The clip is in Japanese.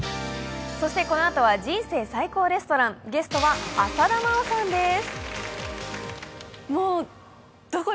そしてこのあとは「人生最高レストラン」ゲストは浅田真央さんです。